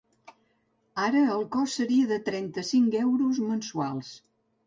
Ara el cost seria de trenta-cinc euros mensuals.